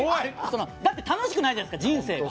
だって、楽しくないじゃないですか、人生が。